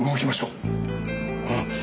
うん。